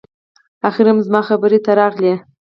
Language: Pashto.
اخیر هم زما خبرې ته راغلې